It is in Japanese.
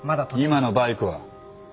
今のバイクは？